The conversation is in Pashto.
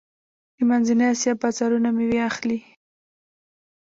د منځنۍ اسیا بازارونه میوې اخلي.